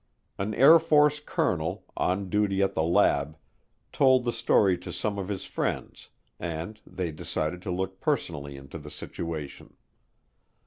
An Air Force colonel, on duty at the lab, told the story to some of his friends, and they decided to look personally into the situation.